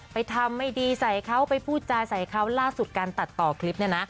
ทำไม่ดีใส่เขาไปพูดจาใส่เขาล่าสุดการตัดต่อคลิปเนี่ยนะ